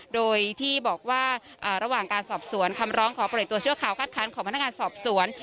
โดยที่บอกว่าระหว่างการสอบสวนคำร้องขอปล่อยตัวชั่วคราวคัดค้านของพนักงานสอบสวน